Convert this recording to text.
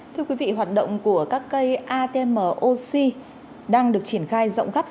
thưa quý vị hoạt động của các cây atm oxy đang được triển khai rộng khắp